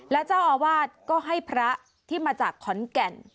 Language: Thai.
และเจ้าอาวาสก็ให้พระที่มาจากขอนแก่น